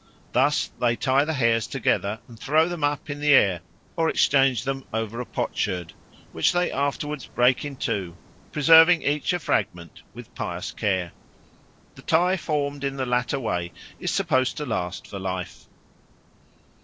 Thus they tie the hairs together and throw them up in the air, or exchange them over a potsherd, which they afterwards break in two, preserving each a fragment with pious care. The tie formed in the latter way is supposed to last for life.